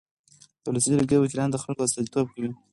د ولسي جرګې وکیلان د خلکو استازیتوب کوي.